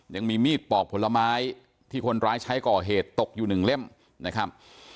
ยังมีมีดปอกผลไม้ที่คนร้ายใช้ก่อเหตุตกอยู่หนึ่งเล่มนะครับ